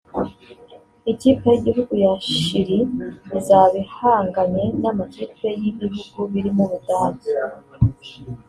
Ikipe y’igihugu ya Chili izaba ihanganye n’amakipe y’ibihugu birimo Ubudage